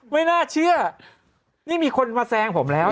ไม่น่าเชื่อนี่มีคนมาแซงผมแล้ว